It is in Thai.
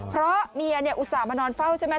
เพราะเมียอุตส่าห์มานอนเฝ้าใช่ไหม